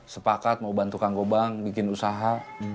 sepakat mau bantu kang gobang bikin usaha